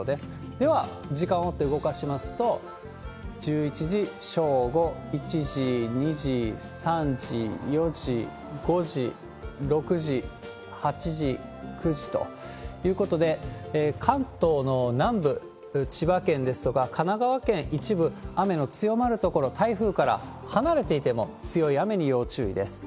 では時間を追って動かしますと、１１時、正午、１時、２時、３時、４時、５時、６時、８時、９時ということで、関東の南部、千葉県ですとか神奈川県、一部雨の強まる所、台風から離れていても強い雨に要注意です。